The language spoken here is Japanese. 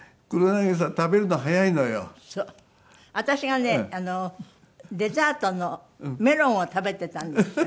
私がねデザートのメロンを食べていたんですよ。